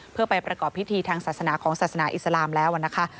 เพื่อไปประกอบพิธีทางศาสนาของศาสนาอิสลามแล้วนะคะ